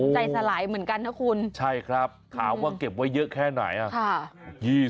ใจสลายเหมือนกันนะคุณใช่ครับถามว่าเก็บไว้เยอะแค่ไหนอ่ะ